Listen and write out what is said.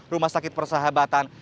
rumah sakit persahabatan